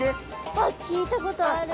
あ聞いたことある。